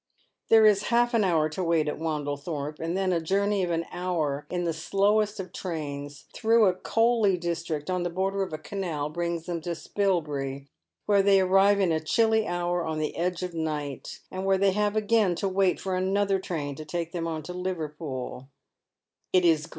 There is half an hour to wait at Wandlethorpe, and then a journey of an hour in the slowest of trains, through a coaly dis trict, on the border of a canal, brings them to Spilbury, where they arrive in a chilly hour on the edge of night, and where they have again to wait for another train to take them on to Liverpool JViC Podmores iJiinh of Emigration.